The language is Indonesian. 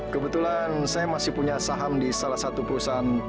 kebetulan saya masih punya saham di salah satu perusahaan